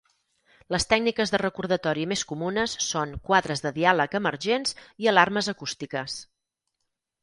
Les tècniques de recordatori més comunes són quadres de diàleg emergents i alarmes acústiques.